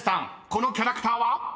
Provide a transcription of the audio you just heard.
このキャラクターは？］